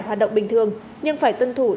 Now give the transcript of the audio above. hoạt động bình thường nhưng phải tuân thủ